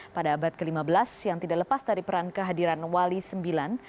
pada abad ke lima belas yang tidak lepas dari peran kehadiran wali ix